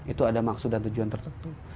itu ada maksud dan tujuan tertentu